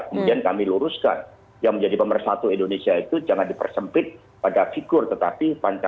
kemudian kami luruskan yang menjadi pemersatu indonesia itu jangan dipersempit pada figur tetapi pancasila